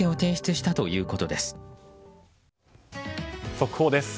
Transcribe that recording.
速報です。